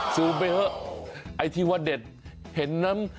ซูมไปเถอะไอ้ที่ว่าเด็ดเห็นน้ำ